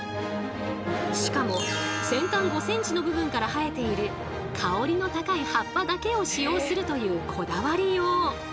しかも先端５センチの部分から生えている香りの高い葉っぱだけを使用するというこだわりよう。